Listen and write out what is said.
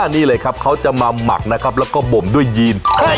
นี่เลยครับเขาจะมาหมักนะครับแล้วก็บ่มด้วยยีน